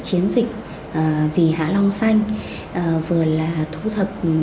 từ các phao sốt